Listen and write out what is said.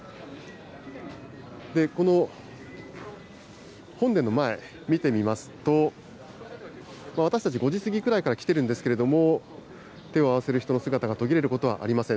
この本殿の前、見てみますと、私たち、５時過ぎぐらいから来てるんですけれども、手を合わせる人の姿が途切れることはありません。